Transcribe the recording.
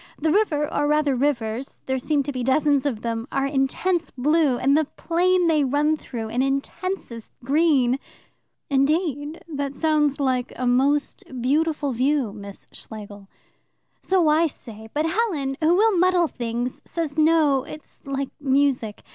The river, or rather rivers there seem to be dozens of them are intense blue, and the plain they run through an intensest green." "Indeed! That sounds like a most beautiful view, Miss Schlegel." "So I say, but Helen, who will muddle things, says no, it's like music.